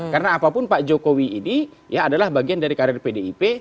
karena apapun pak jokowi ini ya adalah bagian dari karir pdip